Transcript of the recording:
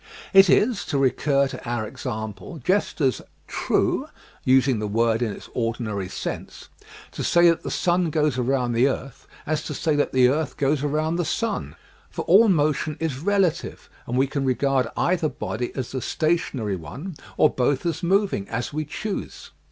It is, to recur to our example, just as " true," using the word in its ordinary sense, to say that the sun goes around the earth as to say that the earth goes around the Sim, for all motion is relative, and we can regard either body as the stationary one or both as moving, as we choose.